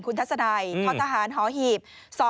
คุณทัศนาทศาหารหอหีบ๒๕๒๔